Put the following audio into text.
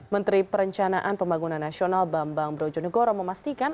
menteri perencanaan pembangunan nasional bambang brojonegoro memastikan